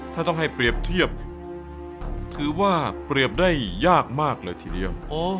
ถ้าต้องให้เปรียบเทียบถือว่าเปรียบได้ยากมากเลยทีเดียว